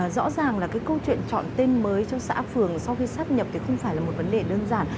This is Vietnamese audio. rõ ràng là cái câu chuyện chọn tên mới cho xã phường sau khi sắp nhập thì không phải là một vấn đề đơn giản